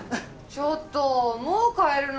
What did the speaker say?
ちょっともう帰るの？